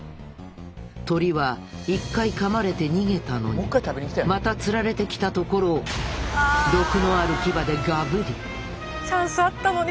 鳥は１回かまれて逃げたのにまたつられてきたところを毒のある牙でガブリチャンスあったのに。